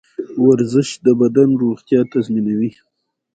ورزش د بدن روغتیا تضمینوي.